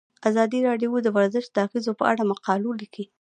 ازادي راډیو د ورزش د اغیزو په اړه مقالو لیکلي.